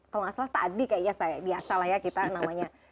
kalau gak salah tadi kaya biasa ya kita namanya